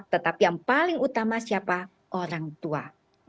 tetapi yang paling utama siapa orang tua